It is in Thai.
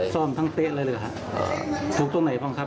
ส่องทั้งเต๊ะเลยครับถูกตรงไหนครับ